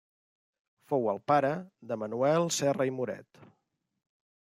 Fou el pare de Manuel Serra i Moret.